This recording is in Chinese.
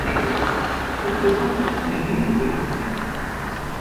傅慰孤之母为抗日战争名人叶因绿。